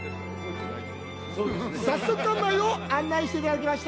早速、館内を案内していただきます。